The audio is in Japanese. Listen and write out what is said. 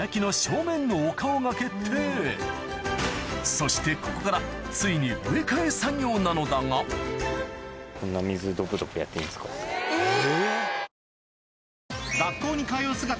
そしてここからついに植え替え作業なのだがえぇ。